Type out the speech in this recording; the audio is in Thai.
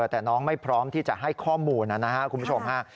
แต่น้องไม่พร้อมที่จะให้ข้อมูลนะครับคุณผู้ชมฮะ